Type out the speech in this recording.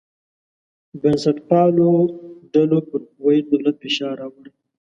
بنسټپالو ډلو پر کویت دولت فشار راوړی.